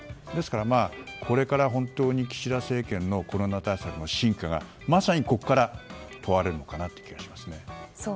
ですから、これから本当に岸田政権のコロナ対策の真価がまさにここから問われるのかなという気がします。